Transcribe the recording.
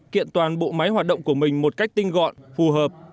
kiện toàn bộ máy hoạt động của mình một cách tinh gọn phù hợp